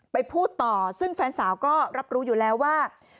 พูดต่อซึ่งแฟนสาวก็รับรู้อยู่แล้วว่า